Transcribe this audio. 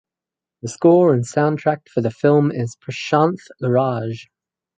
The score and soundtrack for the film is by Prashanth Raj.